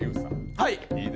はい。